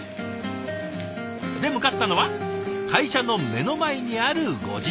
で向かったのは会社の目の前にあるご自宅。